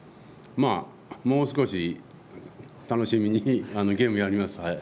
もう少し楽しみにゲームやります。